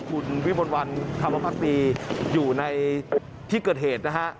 คุณวิมลวันธรรมภักดีอยู่ในที่เกิดเหตุนะฮะ